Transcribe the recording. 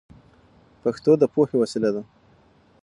پښتو د پوهې وسیله ده.